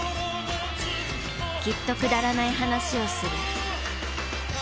きっとくだらない話をする。